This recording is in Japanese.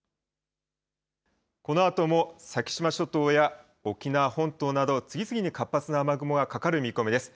このあとも先島諸島や沖縄本島など、次々に活発な雨雲がかかる見込みです。